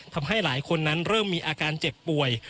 ทำให้หลายคนนั้นเริ่มมีอาการเจ็บป่วย